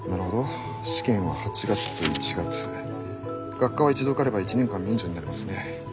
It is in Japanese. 学科は一度受かれば１年間免除になりますね。